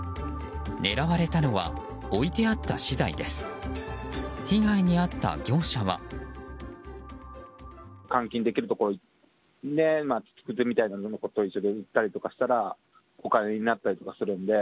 狙われたのは置いてあった資材です。